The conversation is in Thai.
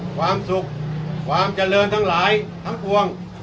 ความสุขความเจริญทั้งหลายทั้งปวง